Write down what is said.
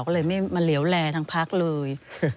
ก็เลยไม่มาเหลวแลทางพักเลย